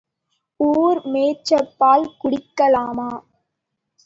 ஊர் மெச்சப் பால் குடிக்கலாமா?